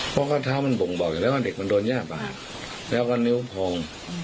เพราะกระเท้ามันโบ่งบอกอยู่นะก็เด็กมันโดนย่าบาดแล้วก็นิ้วภง